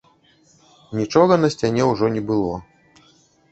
Нічога на сцяне ўжо не было.